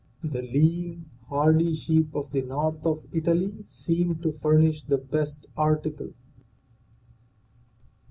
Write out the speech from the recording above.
The lean, hardy sheep of the north of Italy seem to furnish the best article.